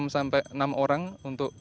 enam sampai enam orang untuk